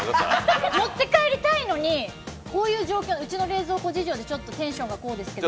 持って帰りたいのに、うちの冷蔵庫事情でテンションがこうですけど。